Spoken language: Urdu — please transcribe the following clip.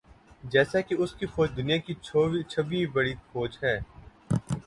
جیسا کہ اس کی فوج دنیا کی چھویں بڑی فوج ہے